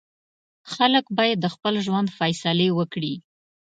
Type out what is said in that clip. خلک باید د خپل ژوند فیصلې وکړي.